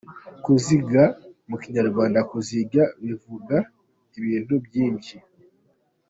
Kuziga : Mu Kinyarwanda kuziga bivuga ibintu byinshi.